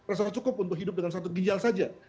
rasanya cukup untuk hidup dengan satu ginjal saja